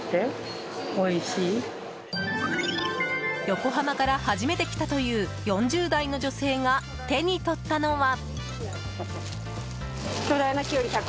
横浜から初めて来たという４０代の女性が手に取ったのは。